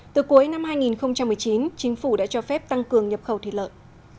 từ cuối năm hai nghìn một mươi chín chính phủ đã cho phép tăng cường nhập khẩu thịt lợn